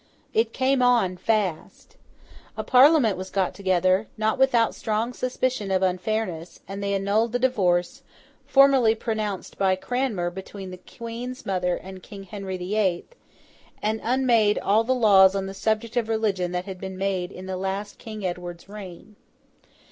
It came on fast. A Parliament was got together; not without strong suspicion of unfairness; and they annulled the divorce, formerly pronounced by Cranmer between the Queen's mother and King Henry the Eighth, and unmade all the laws on the subject of religion that had been made in the last King Edward's reign.